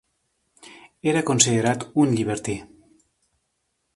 Era considerat un llibertí.